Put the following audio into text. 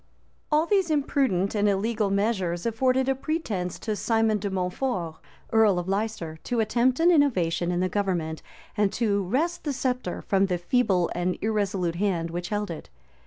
} All these imprudent and illegal measures afforded a pretence to Simon de Mountfort, earl of Leicester, to attempt an innovation in the government, and to wrest the sceptre from the feeble and irresolute hand which held it.